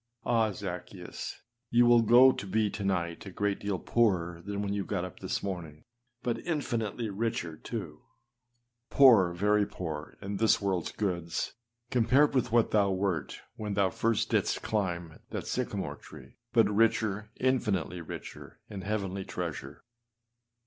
Ah! Zaccheus, you will go to be to night a great deal poorer than when you got up this morning â but infinitely richer, too â poor, very poor, in this worldâs goods, compared with what thou wert when thou first didst climb that sycamore tree; but richer infinitely richer â in heavenly treasure.